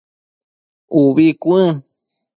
Ubi cuën